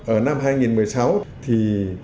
ở năm hai nghìn một mươi sáu thì